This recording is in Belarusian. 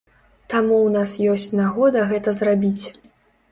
Таму ў нас ёсць нагода гэта зрабіць.